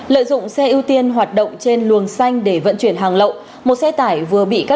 lợi dụng xe ưu tiên hoạt động trên luồng xanh để vận chuyển hàng lậu một xe tải vừa bị các